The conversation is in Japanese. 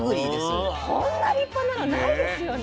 こんな立派なのないですよね。